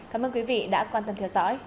cảm ơn quý vị đã quan tâm theo dõi